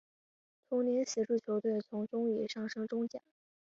同年协助球队从中乙升上中甲。